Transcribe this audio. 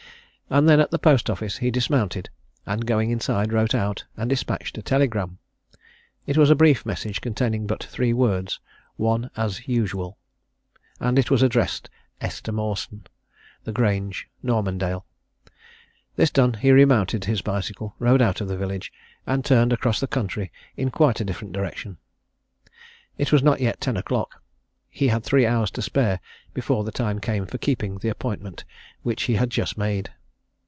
And then, at the post office he dismounted, and going inside, wrote out and dispatched a telegram. It was a brief message containing but three words "One as usual" and it was addressed Esther Mawson, The Grange, Normandale. This done, he remounted his bicycle, rode out of the village, and turned across country in quite a different direction. It was not yet ten o'clock he had three hours to spare before the time came for keeping the appointment which he had just made.